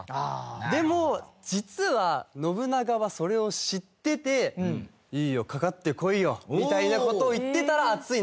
でも実は信長はそれを知ってて「いいよかかってこいよ！」みたいな事を言ってたら。